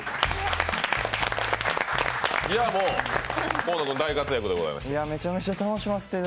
河野君大活躍でございました。